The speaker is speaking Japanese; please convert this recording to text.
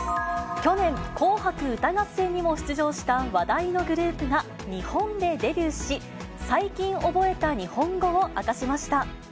去年、紅白歌合戦にも出場した話題のグループが日本でデビューし、最近覚えた日本語を明かしました。